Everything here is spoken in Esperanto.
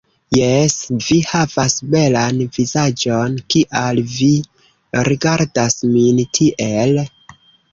Jes, vi havas belan vizaĝon, kial vi rigardas min tiel?